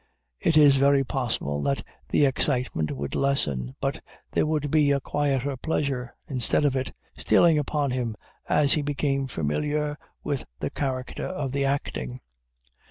It is very possible that the excitement would lessen, but there would be a quieter pleasure, instead of it, stealing upon him, as he became familiar with the character of the acting.